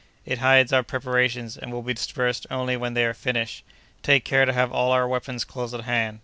"It hides our preparations, and will be dispersed only when they are finished. Take care to have all our weapons close at hand.